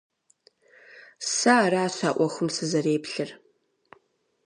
Сэ аращ а Ӏуэхум сызэреплъыр.